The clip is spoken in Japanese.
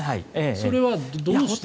それはどうしてるの？